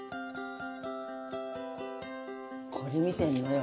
これ見てんのよ